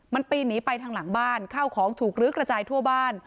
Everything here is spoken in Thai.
มันปีนหนีไปทางหลังบ้านข้าวของถูกลื้อกระจายทั่วบ้าน